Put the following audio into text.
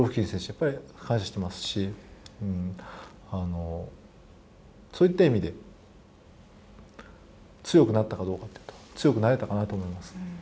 やっぱり感謝してますしそういった意味で強くなったかどうかっていうと強くなれたかなと思います。